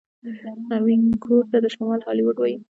وینکوور ته د شمال هالیوډ وايي.